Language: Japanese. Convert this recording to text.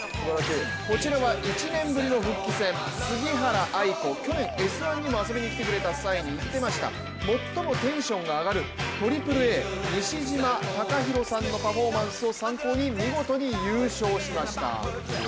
こちらは１年ぶりの復帰戦杉原愛子、去年、「Ｓ☆１」に遊びに来てくれたときにも言ってました最もテンションが上がるＡＡＡ・西島隆弘さんのパフォーマンスを参考に見事に優勝しました。